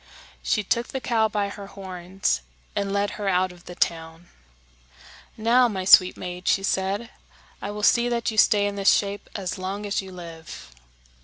She took the cow by her horns, and led her out of the town. "Now, my sweet maid," she said, "I will see that you stay in this shape as long as you live."